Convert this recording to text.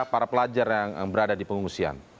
para pelajar yang berada di pengungsian